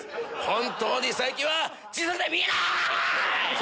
本当に最近は小さくて見えない‼